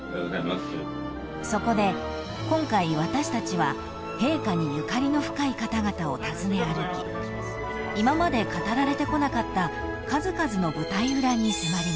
［そこで今回私たちは陛下にゆかりの深い方々を訪ね歩き今まで語られてこなかった数々の舞台裏に迫りました］